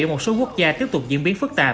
ở một số quốc gia tiếp tục diễn biến phức tạp